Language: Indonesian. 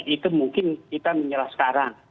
itu mungkin kita menyerah sekarang